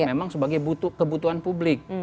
memang sebagai kebutuhan publik